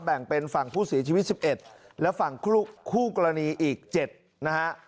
แบ่งเป็นฝั่งผู้เสียชีวิต๑๑และฝั่งคู่กรณีอีก๗นะฮะ